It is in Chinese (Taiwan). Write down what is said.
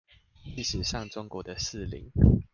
歷史上中國的四鄰